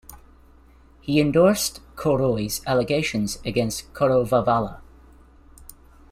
He endorsed Koroi's allegations against Korovavala.